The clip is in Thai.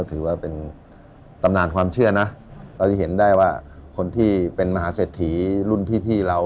ถือว่าเป็นตำนานความเชื่อนะเราจะเห็นได้ว่าคนที่เป็นมหาเศรษฐีรุ่นพี่เรา